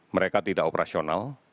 mereka tidak operasional